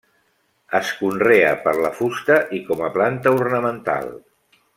Es conrea per la fusta i com a planta ornamental.